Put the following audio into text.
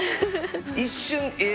一瞬ええ